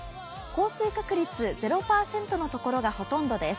降水確率０％の所がほとんどです。